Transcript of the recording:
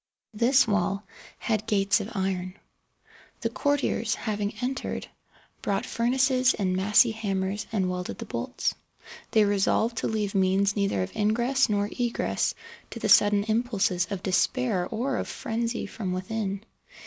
This wall had gates of iron. The courtiers, having entered, brought furnaces and massy hammers and welded the bolts. They resolved to leave means neither of ingress nor egress to the sudden impulses of despair or of frenzy from within.